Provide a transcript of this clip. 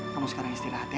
kamu sekarang istirahat ya